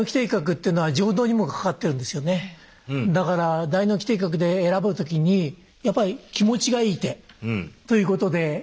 だから大脳基底核で選ぶ時にやっぱり気持ちがいい手ということで選ばれてる。